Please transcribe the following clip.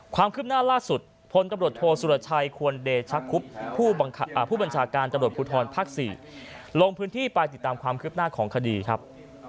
ความคลิบหน้าล่าสุดพกโธสุรชัยควรเดชักคุบผู้บัญชาการจคุธรพศลงพื้นที่ไปติดตามความคลิบหน้าของคดีครับ